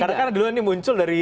karena kan duluan ini muncul dari